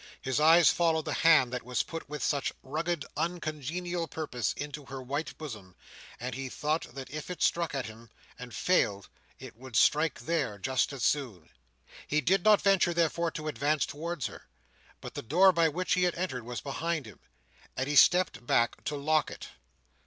His eyes followed the hand that was put with such rugged uncongenial purpose into her white bosom, and he thought that if it struck at him, and failed, it would strike there, just as soon. He did not venture, therefore, to advance towards her; but the door by which he had entered was behind him, and he stepped back to lock it.